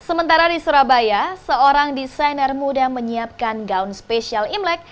sementara di surabaya seorang desainer muda menyiapkan gaun spesial imlek